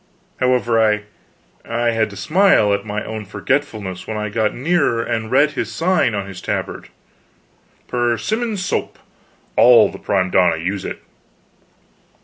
However, I had to smile at my own forgetfulness when I got nearer and read this sign on his tabard: _"Persimmon's Soap All the Prime Donna Use It."